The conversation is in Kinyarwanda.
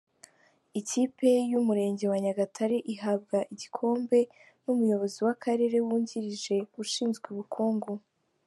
Ikipe y’umurenge wa Nyagatare ihabwa igikombe n’umuyobozi w’akarere wungirije ushinzwe ubukungu.